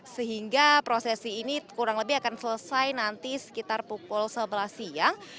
sehingga prosesi ini kurang lebih akan selesai nanti sekitar pukul sebelas siang